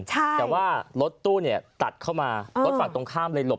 แต่ว่ารถตู้เนี่ยตัดเข้ามารถฝั่งตรงข้ามเลยหลบ